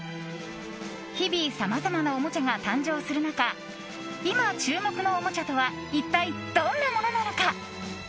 日々、さまざまなおもちゃが誕生する中今注目のおもちゃとは一体どんなものなのか？